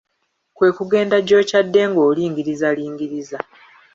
Kwe kugenda gy'okyadde ng'olingirizalingiriza.